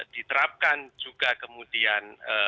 diterapkan juga kemudian